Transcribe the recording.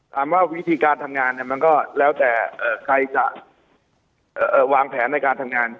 ถามว่าวิธีการทำงานมันก็แล้วแต่ใครจะวางแผนในการทำงาน